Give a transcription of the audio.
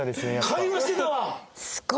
会話してたわ。